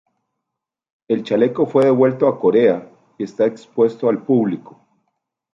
El chaleco fue devuelto a Corea y está expuesto al público.